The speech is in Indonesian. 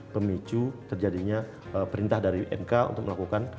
pemicu terjadinya perintah dari mk untuk melakukan